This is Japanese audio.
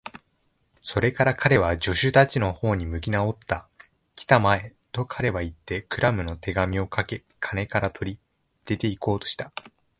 それから彼は、助手たちのほうに向きなおった。「きたまえ！」と、彼はいって、クラムの手紙をかけ金から取り、出ていこうとした。